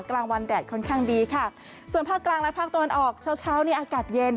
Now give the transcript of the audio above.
กลางวันแดดค่อนข้างดีค่ะส่วนภาคกลางและภาคตะวันออกเช้าเช้านี้อากาศเย็น